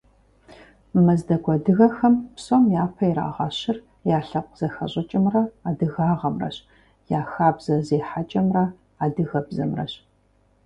Мэздэгу адыгэхэм псом япэ ирагъэщыр я лъэпкъ зэхэщӏыкӏымрэ адыгагъэмрэщ, я хабзэ зехьэкӏэмрэ адыгэбзэмрэщ.